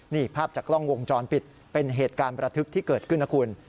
นี่ภาพจากกล้องวงจรปิดเป็นเหตุการณ์ประทึกที่เกิดขึ้นนะคุณ